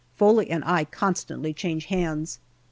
Foley and I constantly change hands.